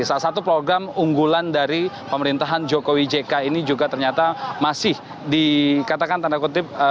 salah satu program unggulan dari pemerintahan jokowi jk ini juga ternyata masih dikatakan tanda kutip